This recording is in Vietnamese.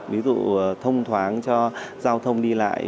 ví dụ thông thoáng cho giao thông đi lại